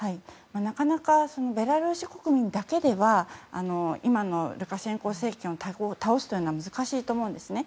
なかなかベラルーシ国民だけでは今のルカシェンコ政権を倒すというのは難しいと思うんですね。